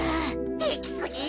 できすぎ！